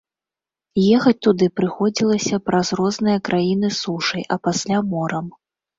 Ехаць туды прыходзілася праз розныя краіны сушай, а пасля морам.